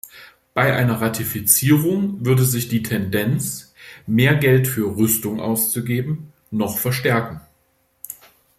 Bei einer Ratifizierung würde sich die Tendenz, mehr Geld für Rüstung auszugeben, noch verstärken.